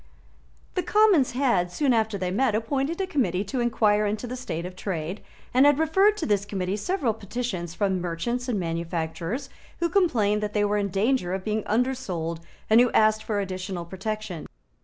The Commons had, soon after they met, appointed a Committee to enquire into the state of trade, and had referred to this Committee several petitions from merchants and manufacturers who complained that they were in danger of being undersold, and who asked for additional protection.